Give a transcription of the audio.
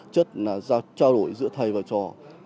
chất là trao đổi giữa thầy và trò